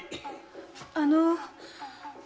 ・あの。